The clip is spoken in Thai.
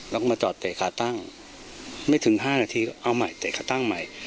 แล้วก็มาจอดเตะขาตั้งไม่ถึง๕นาทีก็เอาใหม่เตะขาตั้งใหม่